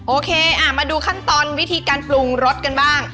โอเคมาดูขั้นตอนวิธีการปรุงรสกันบ้าง